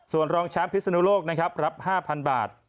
ส่วนรองแชมป์พิศนุโลกนะครับรับ๕๐๐บาท